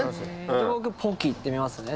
僕ポキいってみますね。